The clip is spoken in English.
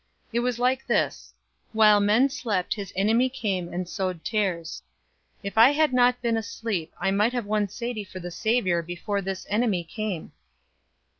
It was like this: 'While men slept his enemy came and sowed tares .' If I had not been asleep I might have won Sadie for the Savior before this enemy came."